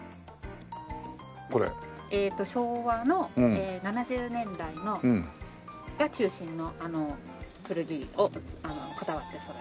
昭和の７０年代が中心の古着をこだわってそろえてます。